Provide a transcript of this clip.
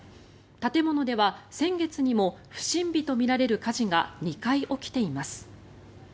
建物では先月にも不審火とみられる火事が２回起きています。